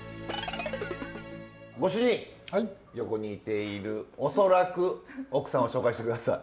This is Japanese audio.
ご主人横にいている恐らく奥さんを紹介して下さい。